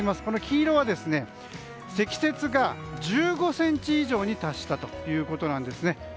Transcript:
この黄色は積雪が１５ｃｍ以上に達したということなんです。